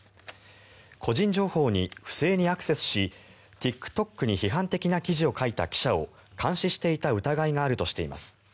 個人情報に不正にアクセスしＴｉｋＴｏｋに批判的な記事を書いた記者を監視していた疑いがあるとしています。